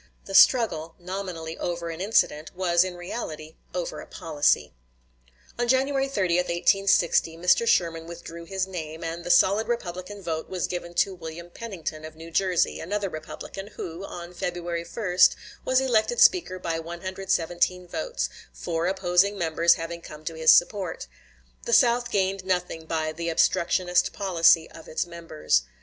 The struggle, nominally over an incident, was in reality over a policy. On January 30, 1860, Mr. Sherman withdrew his name, and the solid Republican vote was given to William Pennington, of New Jersey, another Republican, who, on February 1, was elected Speaker by 117 votes, 4 opposing members having come to his support. The South gained nothing by the obstructionist policy of its members.